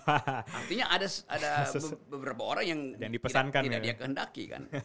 artinya ada beberapa orang yang tidak dia kehendaki kan